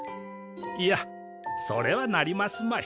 いやそれはなりますまい。